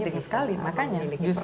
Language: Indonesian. ini penting sekali makanya justru itu